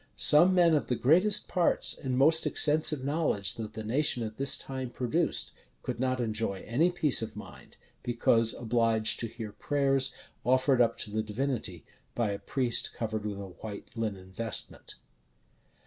Some men of the greatest parts and most extensive knowledge that the nation at this time produced, could not enjoy any peace of mind, because obliged to hear prayers offered up to the Divinity by a priest covered with a white linen vestment.